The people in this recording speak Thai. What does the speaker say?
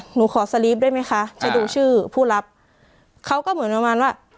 หนูขอสลิปได้ไหมคะจะดูชื่อผู้รับเขาก็เหมือนประมาณว่า